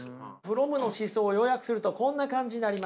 フロムの思想を要約するとこんな感じになります。